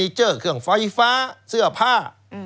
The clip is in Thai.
เจอเครื่องไฟฟ้าเสื้อผ้า